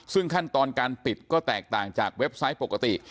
ซึ่งขั้นตอนการปิดก็แตกต่างจากเว็บไซต์ปกติ